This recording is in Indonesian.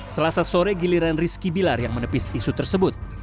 selasa sore giliran rizky bilar yang menepis isu tersebut